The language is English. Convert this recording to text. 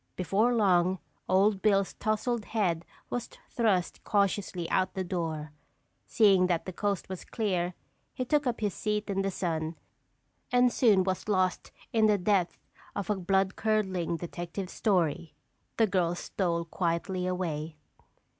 Before long, Old Bill's tousled head was thrust cautiously out the door. Seeing that the coast was clear he took up his seat in the sun and soon was lost in the depth of a bloodcurdling detective story. The girls stole quietly away.